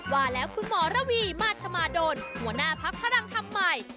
ว่าแล้วคุณหมอระวีมาชมาโดนหัวหน้าพักพลังธรรมใหม่